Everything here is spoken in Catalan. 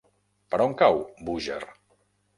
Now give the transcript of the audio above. Per on cau Búger?